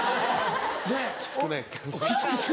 きつくないですかそれ。